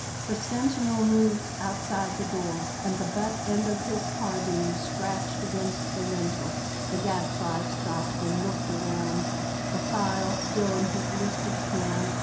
The sentinel moved outside the door, and the butt end of his carbine scratched against the lintel. The Gadfly stopped and looked round, the file still in his lifted hand.